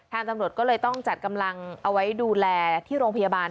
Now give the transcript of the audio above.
ตำรวจก็เลยต้องจัดกำลังเอาไว้ดูแลที่โรงพยาบาล